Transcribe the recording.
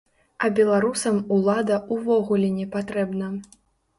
А беларусам улада ўвогуле не патрэбна.